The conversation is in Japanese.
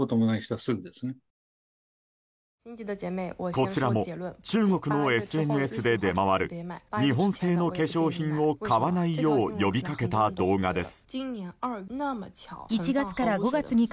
こちらも中国のＳＮＳで出回る日本製の化粧品を買わないよう呼びかけた動画です。